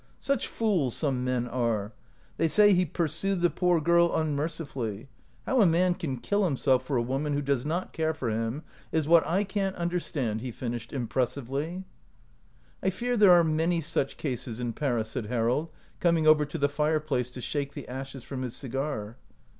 Such fools some men are! They say he pursued the poor girl unmerci fully. How a man can kill himself for a OUT OF BOHEMIA woman who does not care for him is what I can't understand," he finished, impressively. " I fear thepe are many such cases in Paris," said Harold, coming over to the fire place to shake the ashes from his cigar.